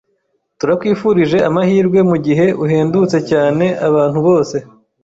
Turakwifurije amahirwe mugihe uhendutse cyane abantu bose